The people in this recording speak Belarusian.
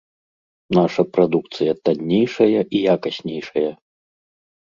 Наша прадукцыя таннейшая і якаснейшая.